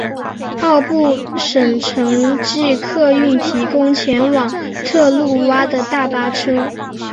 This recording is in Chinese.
奥布省城际客运提供前往特鲁瓦的大巴车。